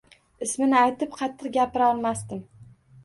Ismini aytib qattiq gapira olmasdim.